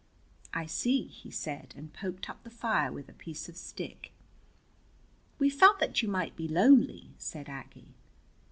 "I see," he said, and poked up the fire with a piece of stick. "We felt that you might be lonely," said Aggie.